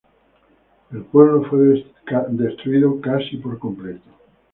El pueblo fue destruido casi por completo.